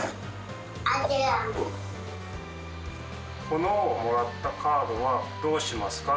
このもらったカードはどうしますか？